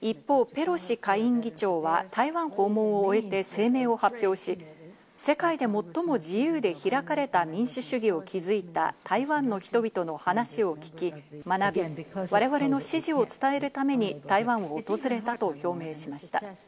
一方、ペロシ下院議長は台湾訪問を終えて声明を発表し、世界で最も自由で開かれた民主主義を築いた台湾の人々の話を聞き、学び、我々の支持を伝えるために台湾を訪れたと表明しました。